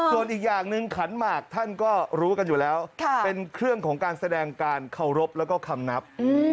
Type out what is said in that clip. ส่วนอีกอย่างหนึ่งขันหมากท่านก็รู้กันอยู่แล้วเป็นเครื่องของการแสดงการเคารพแล้วก็คำนับ